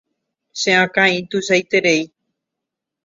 Che akã ituichaiterei.